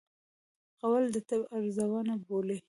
غول د طب رازونه بولي.